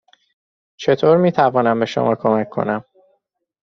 چطور می توانم به شما کمک کنم؟